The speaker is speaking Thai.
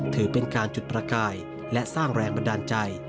ถือเป็นการจุดประกายและสร้างแรงบันดาลใจ